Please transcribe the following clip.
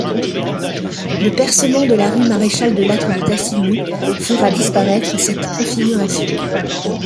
Le percement de la rue Maréchal-de-Lattre-de-Tassigny, fera disparaître cette configuration.